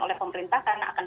oleh pemerintah karena akan